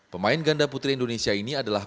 pemain ganda putri indonesia ini adalah